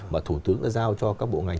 mà thủ tướng đã giao cho các bộ ngành